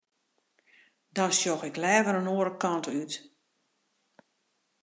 Dan sjoch ik leaver in oare kant út.